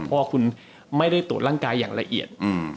เพราะคุณไม่ได้รับทรวจร่างกายยังละเอียด